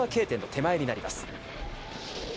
Ｋ点の手前になります。